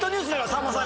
さんまさん